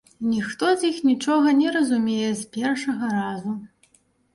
Ніхто з іх нічога не разумее з першага разу.